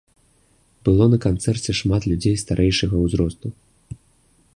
Было на канцэрце шмат людзей старэйшага ўзросту.